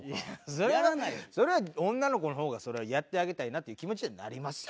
それはそれは女の子の方がやってあげたいなという気持ちにはなりますよ